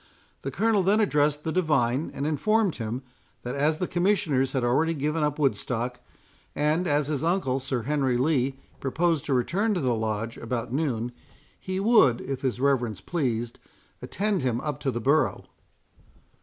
The Colonel then addressed the divine, and informed him, that as the Commissioners had already given up Woodstock, and as his uncle, Sir Henry Lee, proposed to return to the Lodge about noon, he would, if his reverence pleased, attend him up to the borough.